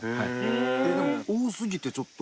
でも多すぎてちょっと。